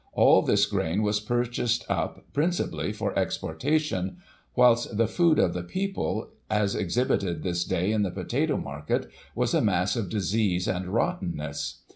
All this grain was purchased up, principally for exportation, whilst the food of the people, as exhibited this day in the Potato Market, was a mass of disease and rottenness.